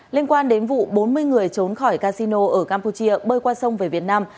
liên quan đến vụ bốn mươi người trốn khỏi casino ở campuchia bơi qua sông về việt nam